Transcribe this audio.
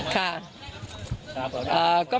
สามสอง